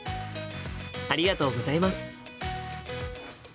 ありがとうございます。